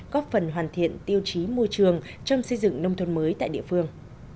góp phần hoàn thiện tiêu chí môi trường trong xây dựng nông thôn mới tại địa phương